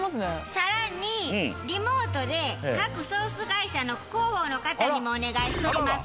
さらにリモートで各ソース会社の広報の方にもお願いしとります。